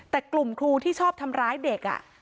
แต่กลุ่มครูที่ชอบทำร้ายเด็ก